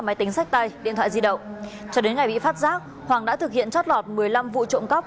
máy tính sách tay điện thoại di động cho đến ngày bị phát giác hoàng đã thực hiện trót lọt một mươi năm vụ trộm cắp